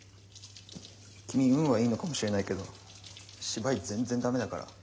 君運はいいのかもしれないけど芝居全然駄目だから。